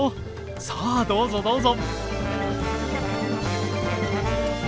さあどうぞどうぞ。